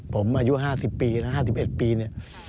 ผมอายุ๕๐ปีนะ๕๑ปีเนี่ย